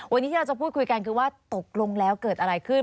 วันนี้ที่เราจะพูดคุยกันคือว่าตกลงแล้วเกิดอะไรขึ้น